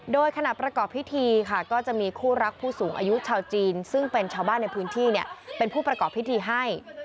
โดยขณะประกอบพิธีค่ะก็จะมีคู่รักผู้สูงอายุชาวจีนซึ่งเป็นชาวบ้านในพื้นที่เป็นผู้ประกอบพิธีให้